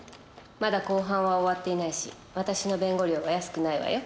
まだ公判は終わっていないし私の弁護料は安くないわよ。